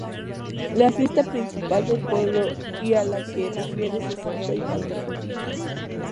La fiesta principal del pueblo, y a la que refiere su Santo y Patrón.